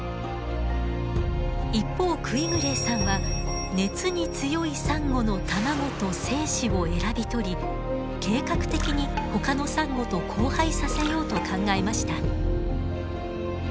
一方クィグレーさんは熱に強いサンゴの卵と精子を選び取り計画的にほかのサンゴと交配させようと考えました。